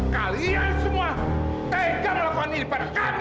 kalian semua tegak melakukan ini kepada kami